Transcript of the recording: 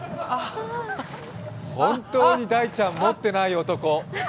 本当に大ちゃん持ってない男。